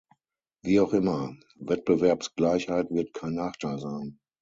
Wie auch immer, Wettbewerbsgleichheit wird kein Nachteil sein.